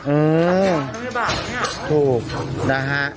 อืมถูกนะฮะ